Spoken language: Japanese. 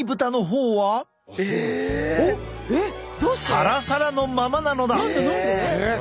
サラサラのままなのだ。